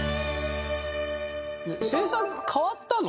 制作変わったの？